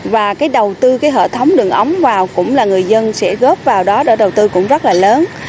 và cái đầu tư cái hệ thống đường ống vào cũng là người dân sẽ góp vào đó để đầu tư cũng rất là lớn